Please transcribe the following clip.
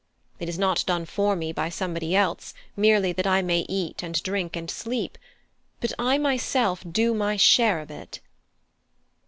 It is not done for me by somebody else, merely that I may eat and drink and sleep; but I myself do my share of it."